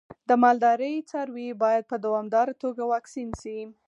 د مالدارۍ څاروی باید په دوامداره توګه واکسین شي.